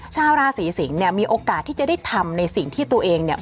ชาวราศีสิงค่ะมีโอกาสที่จะได้ทำในสิ่งที่ตัวเอง